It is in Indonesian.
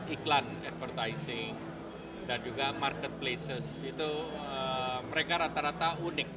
iklan advertising dan juga marketplaces itu mereka rata rata unik